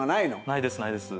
ないですないです。